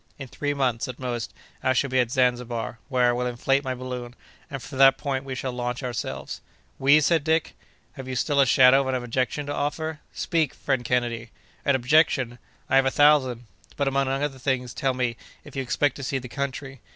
In three months, at most, I shall be at Zanzibar, where I will inflate my balloon, and from that point we shall launch ourselves." "We!" said Dick. "Have you still a shadow of an objection to offer? Speak, friend Kennedy." "An objection! I have a thousand; but among other things, tell me, if you expect to see the country.